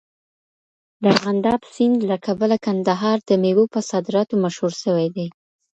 د ارغنداب سیند له کبله کندهار د میوو په صادراتو مشهور سوی دی.